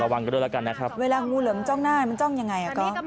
วางกันด้วยแล้วกันนะครับเวลางูเหลือมจ้องหน้ามันจ้องยังไงอ่ะก็